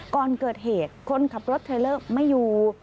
ก่อนเกิดเหตุคนขับรถเทลเลอร์ไม่อยู่